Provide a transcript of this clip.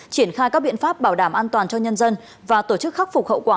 triển khai các biện pháp bảo đảm an toàn cho nhân dân và tổ chức khắc phục hậu quả